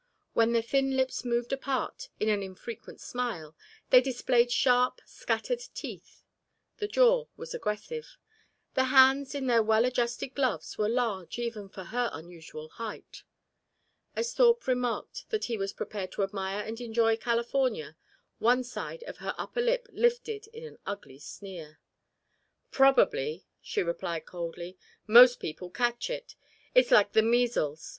When the thin lips moved apart in an infrequent smile they displayed sharp scattered teeth. The jaw was aggressive. The hands in their well adjusted gloves were large even for her unusual height. As Thorpe remarked that he was prepared to admire and enjoy California, one side of her upper lip lifted in an ugly sneer. "Probably," she replied coldly. "Most people catch it. It's like the measles.